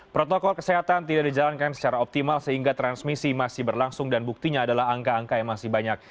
protokol kesehatan tidak dijalankan secara optimal sehingga transmisi masih berlangsung dan buktinya adalah angka angka yang masih banyak